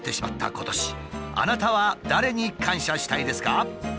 あなたは誰に感謝したいですか？